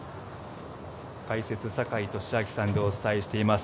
解説、坂井利彰さんでお伝えしています。